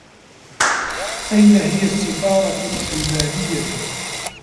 أين هي السّفارة الألمانيّة؟